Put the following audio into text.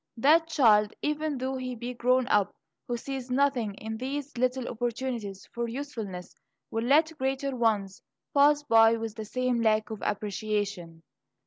That child, even though he be grown up who sees nothing in these little opportunities for usefulness, will let greater ones pass by with the same lack of appreciation.